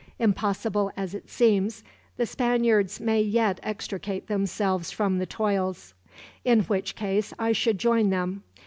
Impossible as it seems, the Spaniards may yet extricate themselves from the toils; in which case I should join them.